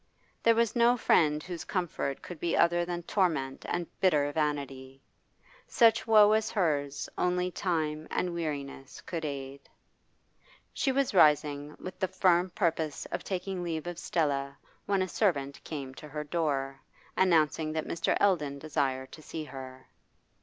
There was no friend whose comfort could be other than torment and bitter vanity; such woe as hers only time and weariness could aid. She was rising with the firm purpose of taking leave of Stella when a servant came to her door, announcing that Mr. Eldon desired to see her.